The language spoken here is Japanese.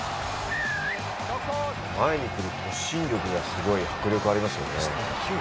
前に来る突進力がすごい迫力がありますね。